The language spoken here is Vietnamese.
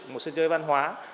một sân chơi văn hóa